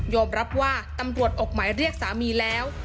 รับว่าตำรวจออกหมายเรียกสามีแล้ว